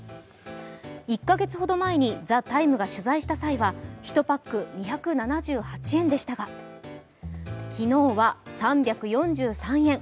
１か月ほど前に「ＴＨＥＴＩＭＥ，」が取材した際は１パック２７８円でしたが、昨日は３４３円。